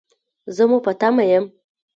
زه مو په تمه یم